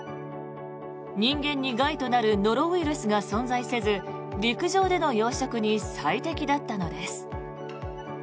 人間に害となるノロウイルスが存在せず陸上での養殖に最適だったのです。